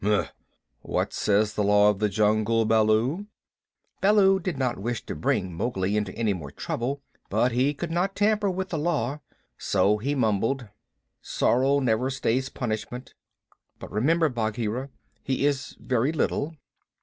"Mf! What says the Law of the Jungle, Baloo?" Baloo did not wish to bring Mowgli into any more trouble, but he could not tamper with the Law, so he mumbled: "Sorrow never stays punishment. But remember, Bagheera, he is very little."